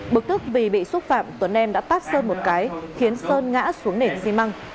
bực tức vì bị xúc phạm tuấn em đã tát sơn một cái khiến sơn ngã xuống nền xi măng